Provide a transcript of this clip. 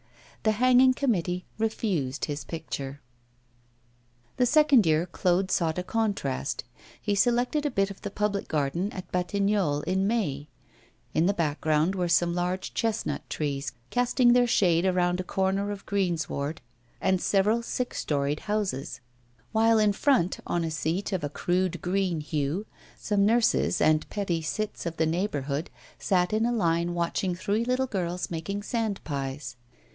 The hanging committee refused his picture. The second year Claude sought a contrast. He selected a bit of the public garden of Batignolles in May; in the background were some large chestnut trees casting their shade around a corner of greensward and several six storied houses; while in front, on a seat of a crude green hue, some nurses and petty cits of the neighbourhood sat in a line watching three little girls making sand pies.